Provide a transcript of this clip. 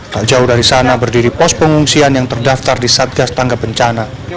tak jauh dari sana berdiri pos pengungsian yang terdaftar di satgas tangga bencana